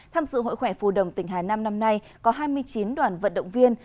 tham dự hội khỏe phù đồng tỉnh hà nam năm nay có hai mươi chín đoàn vận động viên